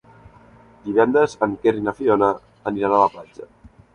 Divendres en Quer i na Fiona aniran a la platja.